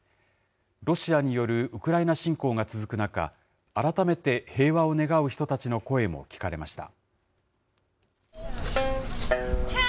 ロシアによるウクライナ侵攻が続く中、改めて平和を願う人たちの声も聞かれました。